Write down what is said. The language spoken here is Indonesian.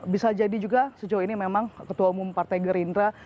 bisa jadi juga sejauh ini memang ketua umum partai gerindra